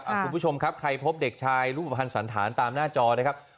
คุณผู้ชมครับใครพบเด็กชายรูปภัณฑ์สันธารตามหน้าจอนะครับ